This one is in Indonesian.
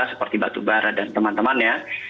seperti batubara dan teman temannya